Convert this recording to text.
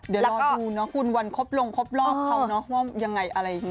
เดี๋ยวรอดูเนาะคุณวันครบลงครบรอบเขาเนอะว่ายังไงอะไรอย่างนี้